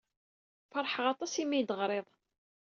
Feṛḥeɣ aṭas imi ay d-teɣrid.